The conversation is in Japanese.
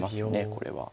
これは。